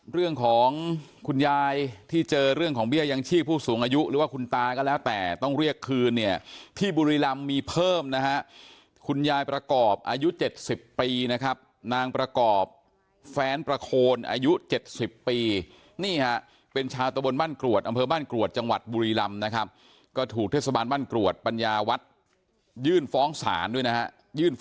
เรื่องของคุณยายที่เจอเรื่องของเบี้ยยังชีพผู้สูงอายุหรือว่าคุณตาก็แล้วแต่ต้องเรียกคืนเนี่ยที่บุรีรำมีเพิ่มนะฮะคุณยายประกอบอายุ๗๐ปีนะครับนางประกอบแฟ้นประโคนอายุ๗๐ปีนี่ฮะเป็นชาวตะบนบ้านกรวดอำเภอบ้านกรวดจังหวัดบุรีรำนะครับก็ถูกเทศบาลบ้านกรวดปัญญาวัดยื่นฟ้องศาลด้วยนะฮะ